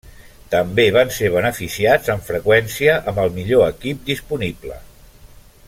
També van ser beneficiats amb freqüència amb el millor equip disponible.